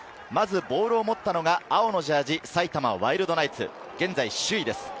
ボールを持ったのは青のジャージー、埼玉ワイルドナイツ、現在、首位です。